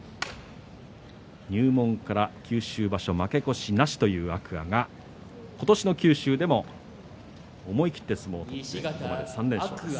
入門から九州場所まで負け越しなしという天空海が今年の九州でも思い切って相撲を取っています。